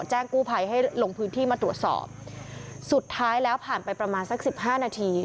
แจ้งกู้ภัยให้ลงพื้นที่มาตรวจสอบสุดท้ายแล้วผ่านไปประมาณสักสิบห้านาที